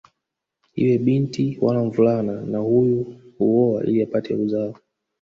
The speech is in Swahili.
Iwe binti wala mvulana na huyu huoa ili apate uzao